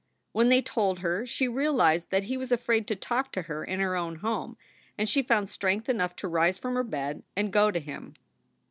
When they told her she realized that he was afraid to talk to her in her own home, and she found strength enough to rise from her bed and go to him.